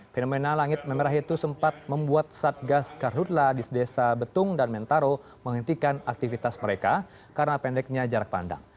fenomena langit memerah itu sempat membuat satgas karhutla di sedesa betung dan mentaro menghentikan aktivitas mereka karena pendeknya jarak pandang